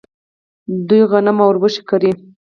دوی غنم او وربشې کري.